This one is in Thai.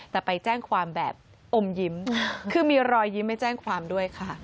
แต่ไปแจ้งความแบบอมยิ้มคือมีรอยยิ้มไม่แจ้งความด้วยค่ะ